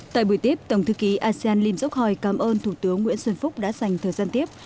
tại buổi tiếp tổng thư ký asean lim dốc hòi cảm ơn thủ tướng nguyễn xuân phúc đã dành thời gian tiếp